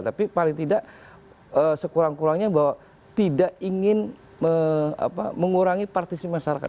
tapi paling tidak sekurang kurangnya bahwa tidak ingin mengurangi partisipasi masyarakat